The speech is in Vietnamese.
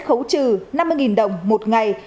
khấu trừ năm mươi đồng một ngày